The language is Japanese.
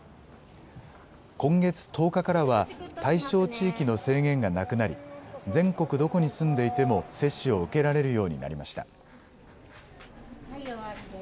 今月１０日からは、対象地域の制限がなくなり、全国どこに住んでいても接種を受けられるようになりました。